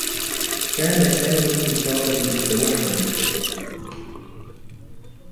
كان سامي مصابا بالتّوحّد.